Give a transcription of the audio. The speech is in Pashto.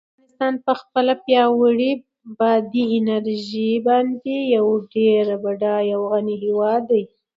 افغانستان په خپله پیاوړې بادي انرژي باندې یو ډېر بډای او غني هېواد دی.